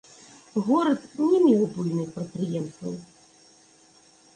Горад не меў буйных прадпрыемстваў.